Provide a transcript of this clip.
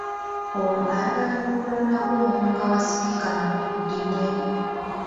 Ono ayagala n’okulonda kw’omumyuka wa sipiika nakwo kuddibwemu .